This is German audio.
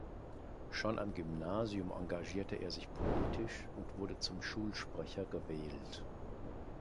Schon am Gymnasium engagierte er sich politisch und wurde zum Schulsprecher gewählt.